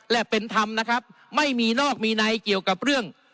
และเป็นธรรมนะครับไม่มีนอกมีในเกี่ยวกับเรื่อง